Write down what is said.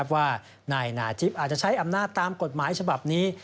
ว่านายนาทิพย์อาจจะใช้อำนาจตามกฎหมายฉบับนี้